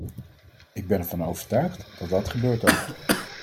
Ik ben ervan overtuigd dat dat gebeurt ook.